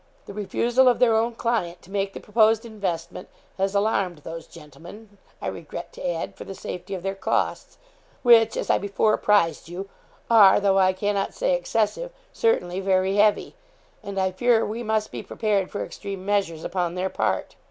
The refusal of their own client to make the proposed investment has alarmed those gentlemen, I regret to add, for the safety of their costs, which, as I before apprised you, are, though I cannot say excessive, certainly very heavy; and I fear we must be prepared for extreme measures upon their part.